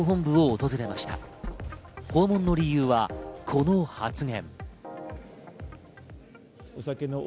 訪問の理由はこの発言。